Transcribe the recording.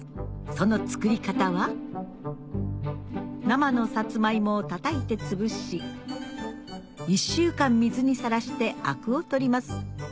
その作り方は生のさつまいもをたたいてつぶし１週間水にさらしてあくを取ります